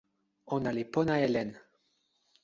ona li pona e len.